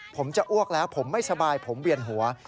ผมจะอ้วกแล้วผมไม่สบายผมเวียนหัว